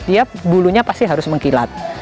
dia bulunya pasti harus mengkilat